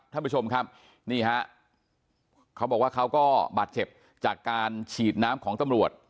ท่านผู้ชมครับนี่ฮะเขาบอกว่าเขาก็บาดเจ็บจากการฉีดน้ำของตำรวจ